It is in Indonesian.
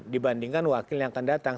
dibandingkan wakil yang akan datang